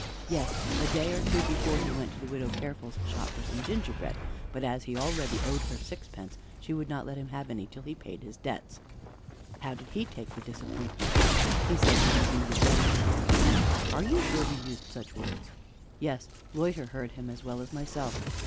"Yes; a day or two before he went to the Widow Careful's shop for some gingerbread; but as he already owed her sixpence, she would not let him have any till he had paid his debts." "How did he take the disappointment?" "He said he would be revenged on her." "Are you sure he used such words?" "Yes. Loiter heard him as well as myself."